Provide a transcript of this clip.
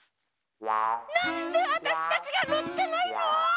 なんであたしたちがのってないの？